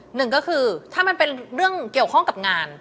หนึ่งก็คือถ้ามันเป็นเรื่องเกี่ยวข้องกับงาน